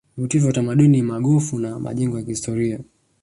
vivutio vya utamaduni ni magofu na majengo ya kihistoria